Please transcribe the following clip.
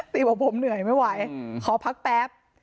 บอกผมเหนื่อยไม่ไหวขอพักแป๊บ